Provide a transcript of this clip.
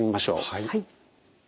はい。